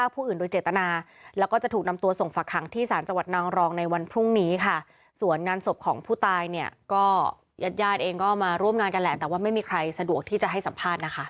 ผมจะถามว่าจำนึงครับ